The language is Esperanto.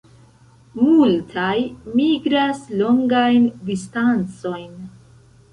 Multaj migras longajn distancojn.